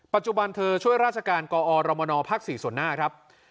ปัจจุบันช่วยราชการกอรามนนพศนะครับ